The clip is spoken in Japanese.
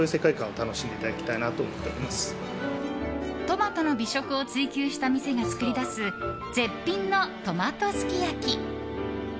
トマトの美食を追求した店が作り出す絶品のトマトすき焼き。